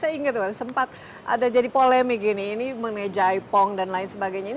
saya ingat sempat ada jadi polemik ini mengenai jaipong dan lain sebagainya